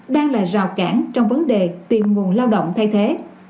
đang là rào cản trong vấn đề tìm nguồn lao động thay thế